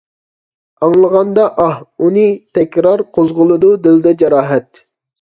ئاڭلىغاندا ئاھ، ئۇنى تەكرار، قوزغىلىدۇ دىلدا جاراھەت.